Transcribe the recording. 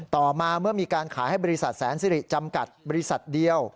ต่อมาเมื่อมีการขายให้บริษัทแสนสิริจำกัดบริษัทเดียว